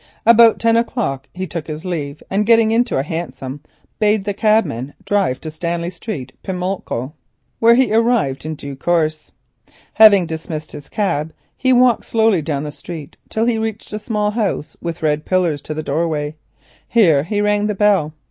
About ten o'clock he took his leave, and getting into a hansom bade the cabman drive to Rupert Street, Pimlico, where he arrived in due course. Having dismissed his cab, he walked slowly down the street till he reached a small house with red pillars to the doorway. Here he rang the bell.